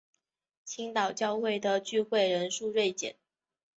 青岛教会的聚会人数锐减。